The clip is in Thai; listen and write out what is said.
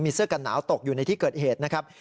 เสื้อกันหนาวตกอยู่ในที่เกิดเหตุนะครับ